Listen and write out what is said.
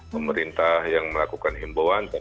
pemerintah yang melakukan imbauan